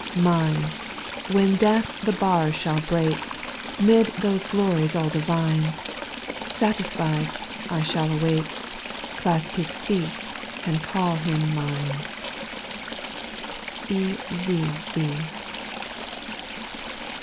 10. Mine ! when death the bars shall break, 'Mid those glories all divine, " Satisfied," I shall awake, Clasp His feet, and call Him mine, B.